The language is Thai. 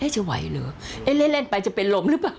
จะไหวเหรอเล่นไปจะเป็นลมหรือเปล่า